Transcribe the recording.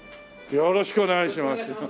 よろしくお願いします。